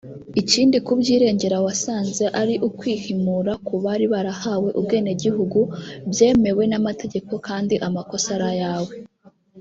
Ikindi kubyirengera wasanze ari ukwihimura ku bari barahawe ubwenegihugu byemewe n’amategeko kandi amakosa ari ayawe